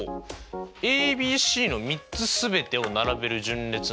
ＡＢＣの３つ全てを並べる順列の総数ですもんね。